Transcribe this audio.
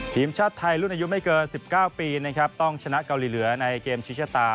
ทีมชาติไทยรุ่นอายุไม่เกิน๑๙ปีนะครับต้องชนะเกาหลีเหนือในเกมชิชตา